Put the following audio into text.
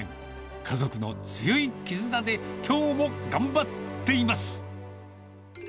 家族の強い絆できょうも頑張っています。